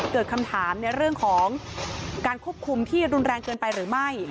เกิดคำถามในเรื่องของการควบคุมที่รุนแรงเกินไปหรือไม่